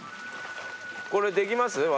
これできます？